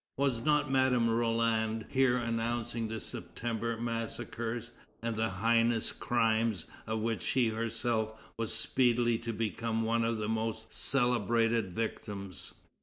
Was not Madame Roland here announcing the September massacres, and the heinous crimes of which she herself was speedily to become one of the most celebrated victims?